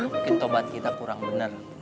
mungkin tobat kita kurang benar